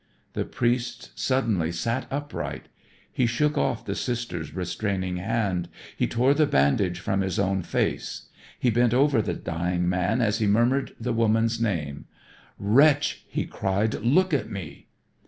The priest suddenly sat upright. He shook off the sister's restraining hand. He tore the bandage from his own face. He bent over the dying man as he murmured the woman's name. "Wretch," he cried, "look at me."